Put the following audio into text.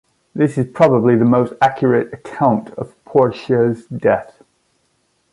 This is probably the most accurate account of Porcia's death.